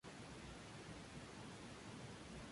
Se desconoce con exactitud el año de su muerte.